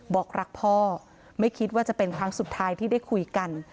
บอกรักพ่อไม่คิดว่าจะเป็นครั้งสุดท้ายที่ได้คุยกัน